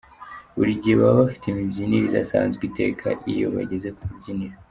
Buri gihe baba bafite imibyinire idasanzwe iteka iyo bageze ku rubyiniro.